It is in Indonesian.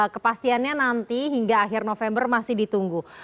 kepastiannya nanti hingga akhir november masih ditunggu